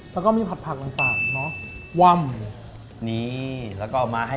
แล้วก็มีผัดผักต่างเนอะว่ำนี่แล้วก็เอามาให้